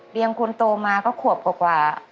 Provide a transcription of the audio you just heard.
เรียงคนโตมาก็ขวบกว่า